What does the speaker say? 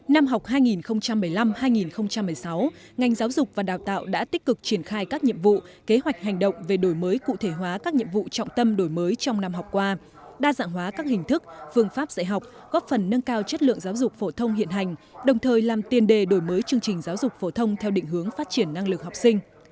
năm học hai nghìn một mươi năm hai nghìn một mươi sáu ngành giáo dục và đào tạo đã tích cực triển khai các nhiệm vụ kế hoạch hành động về đổi mới cụ thể hóa các nhiệm vụ trọng tâm đổi mới trong năm học qua đa dạng hóa các hình thức phương pháp dạy học góp phần nâng cao chất lượng giáo dục phổ thông hiện hành đồng thời làm tiền đề đổi mới chương trình giáo dục phổ thông theo định hướng phát triển năng lực học sinh